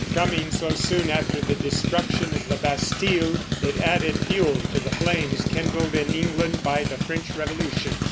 Coming so soon after the destruction of the Bastille, it added fuel to the flames kindled in England by the French Revolution.